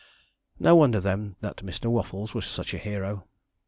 No wonder, then, that Mr. Waffles was such a hero.